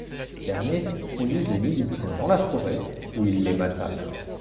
Ces derniers conduisent les miliciens dans la forêt où ils les massacrent.